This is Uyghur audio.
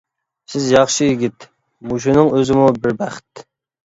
سىز ياخشى يىگىت، مۇشۇنىڭ ئۆزىمۇ بىر بەخت.